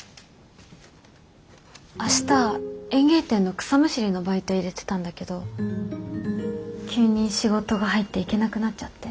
明日園芸店の草むしりのバイト入れてたんだけど急に仕事が入って行けなくなっちゃって。